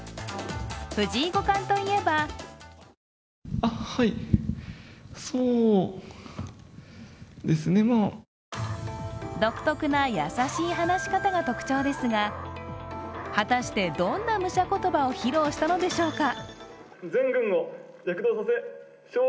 藤井五冠といえば独特な優しい話し方が特徴ですが果たして、どんな武者言葉を披露したのでしょうか。